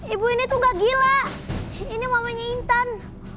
ibu ini tuh gak gila ini mamanya intan